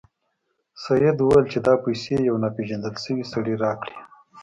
سید وویل چې دا پیسې یو ناپيژندل شوي سړي راکړې.